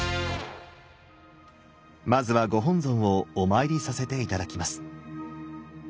まずはご本尊をお参りさせて頂きます。